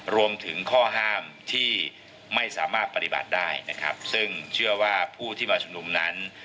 รวมถึงข้อห้ามที่ไม่สามารถปฏิบัติได้นะครับซึ่งเชื่อว่าผู้ที่มาชุมนุมนั้น